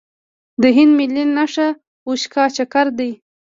د هند ملي نښه اشوکا چکر دی.